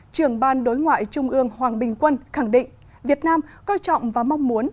trưởng ban đối ngoại trung ương hoàng bình quân khẳng định việt nam coi trọng và mong muốn